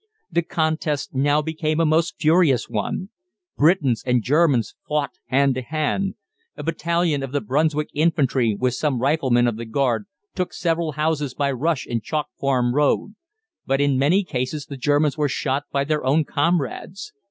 The contest now became a most furious one. Britons and Germans fought hand to hand. A battalion of the Brunswick Infantry with some riflemen of the Guard took several houses by rush in Chalk Farm Road; but in many cases the Germans were shot by their own comrades.